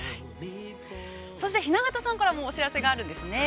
◆そして雛形さんからもお知らせです。